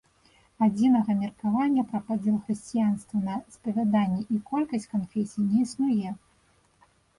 Адзінага меркавання пра падзел хрысціянства на спавяданні і колькасць канфесій не існуе.